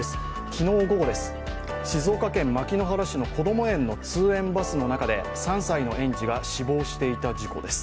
昨日午後、静岡県牧之原市のこども園の通園バスの中で３歳の園児が死亡していた事故です